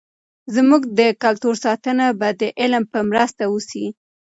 زموږ د کلتور ساتنه به د علم په مرسته وسي.